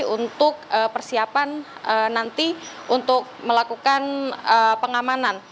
untuk persiapan nanti untuk melakukan pengamanan